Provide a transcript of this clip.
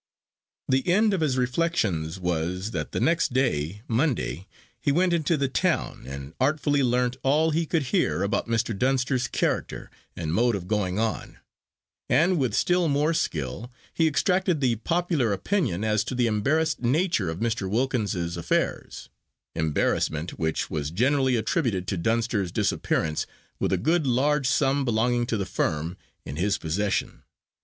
The end of his reflections was, that the next day, Monday, he went into the town, and artfully learnt all he could hear about Mr Dunster's character and mode of going on; and with still more skill he extracted the popular opinion as to the embarrassed nature of Mr. Wilkins's affairs embarrassment which was generally attributed to Dunster's disappearance with a good large sum belonging to the firm in his possession.